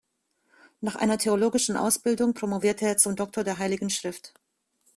Nach einer theologischen Ausbildung promovierte er zum Doktor der Heiligen Schrift.